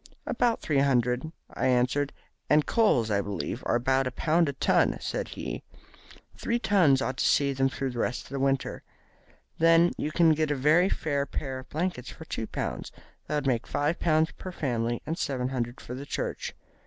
'About three hundred,' I answered. 'And coals, I believe, are at about a pound a ton', said he. 'Three tons ought to see them through the rest of the winter. Then you can get a very fair pair of blankets for two pounds. That would make five pounds per family, and seven hundred for the church.'